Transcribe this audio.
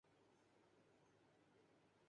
زرداری کی حالت یہ ہے کہ بغیر سہارے چل نہیں سکتے۔